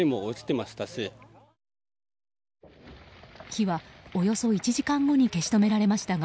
火は、およそ１時間後に消し止められました。